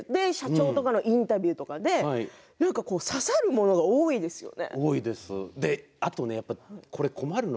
社長のインタビューとかで刺さるものが多いですよね。